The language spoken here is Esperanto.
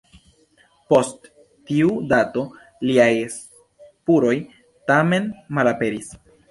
Post tiu dato liaj spuroj tamen malaperis.